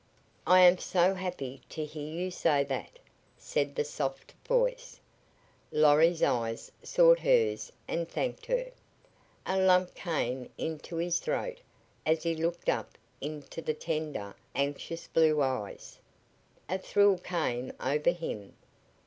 "I am so happy to hear you say that," said the soft voice. Lorry's eyes sought hers and thanked her. A lump came into his throat as he looked up into the tender, anxious blue eyes. A thrill came over him.